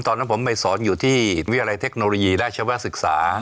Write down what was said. ตอนนั้นผมไปสอนอยู่ที่วิทยาลัยเทคโนโลยีราชวศึกษา